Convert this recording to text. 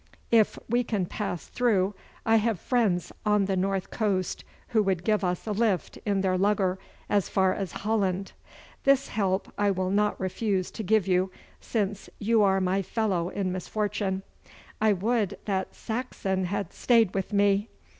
If we can pass through, I have friends on the north coast who would give us a lift in their lugger as far as Holland. This help I will not refuse to give you, since you are my fellow in misfortune. I would that Saxon had stayed with me!